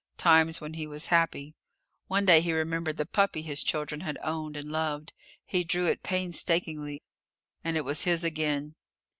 Times when he was happy. One day he remembered the puppy his children had owned and loved. He drew it painstakingly and it was his again.